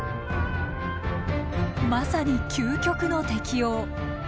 まさに究極の適応。